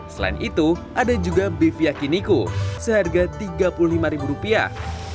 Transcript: selain itu ada juga beef yakiniku seharga tiga puluh lima ribu rupiah